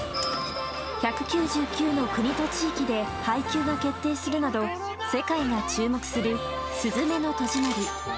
１９９の国と地域で配給が決定するなど世界が注目する「すずめの戸締まり」。